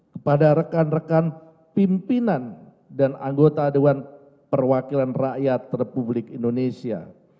kepada rekan rekan pimpinan dan anggota dewan perwakilan rakyat republik indonesia